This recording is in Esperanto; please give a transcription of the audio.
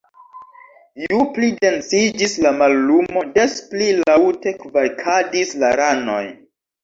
Ju pli densiĝis la mallumo, des pli laŭte kvakadis la ranoj.